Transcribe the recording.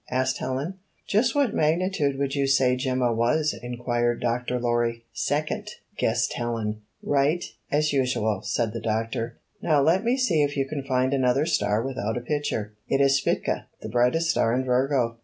asked Helen. "Just what magnitude would you say Geimna was?" inquired Dr. Lorry. "Second," guessed Helen. "Right, as usual," said the doctor. "Now let me see if you can find another star without a picture. It is Spica, the brightest star in Virgo.